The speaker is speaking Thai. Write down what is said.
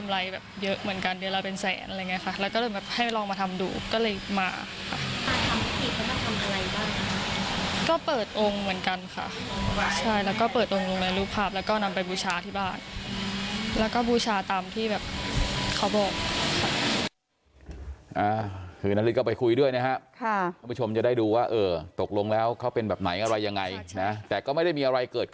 และก็บูชาตามที่เขาบอก